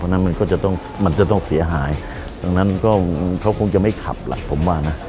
เพราะฉะนั้นมันก็จะต้องเสียหายดังนั้นเขาคงจะไม่ขับแหละผมว่านะ